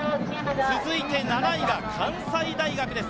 続いて７位が関西大学です。